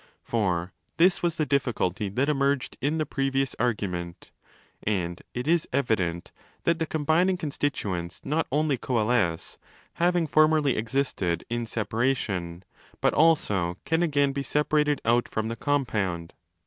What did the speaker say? (For this was the difficulty that emerged in the previous argument : and it is evident that the combining constituents not only coalesce, having formerly existed in separation, but also can again be separated out from the compound.)